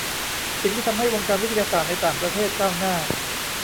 สิ่งที่ทำให้วงการวิทยาศาสตร์ในต่างประเทศก้าวหน้า